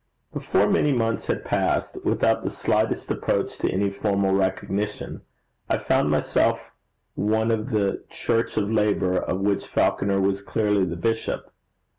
Before many months had passed, without the slightest approach to any formal recognition, I found myself one of the church of labour of which Falconer was clearly the bishop.